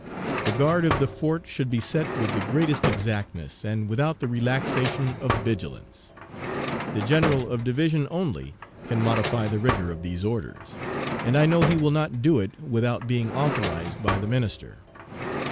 The guard of the fort should be set with the greatest exactness, and without the relaxation of vigilance. The General of Division only can modify the rigor of these orders, and I know he will not do it without being authorized by the Minister.